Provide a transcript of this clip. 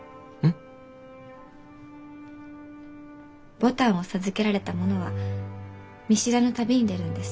牡丹を授けられた者は見知らぬ旅に出るんです。